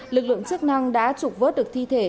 lực lượng chức năng đã trục vớt được thi thể